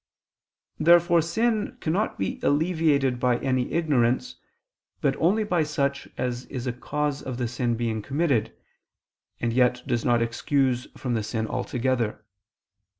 Therefore sin cannot be alleviated by any ignorance, but only by such as is a cause of the sin being committed, and yet does not excuse from the sin altogether.